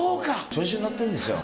調子に乗ってるんですよ。